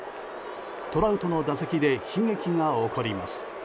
トラウトの打席で悲劇が起こります。